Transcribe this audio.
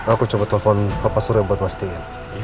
aku coba telepon papa surya buat postingan